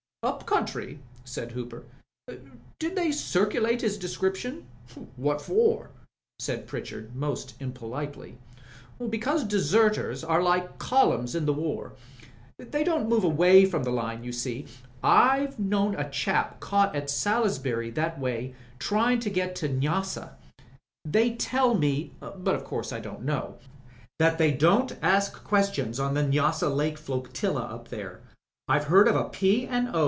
"Up country?" said Hooper. "Did they circulate his description?" " What for ?" said Pritchard, most impolitely. "Because deserters are like columns in the war. They don't move away from the line, you see. I've known a chap caught at Salisbury that way tryin' to get to Nyassa. They tell me, but o' course I don't know, that they don't ask questions on the Nyassa Lake Flotilla up there. I've heard of a P. and O.